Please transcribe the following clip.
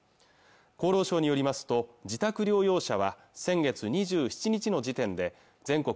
厚労省によりますと自宅療養者は先月２７日の時点で全国